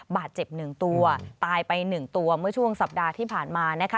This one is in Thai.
บาดเจ็บ๑ตัวตายไป๑ตัวเมื่อช่วงสัปดาห์ที่ผ่านมานะคะ